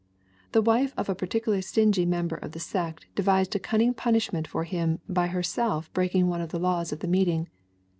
The wife of a particularly stingy member of the sect devised a cunning punishment for him by herself breaking one of the laws of the meeting.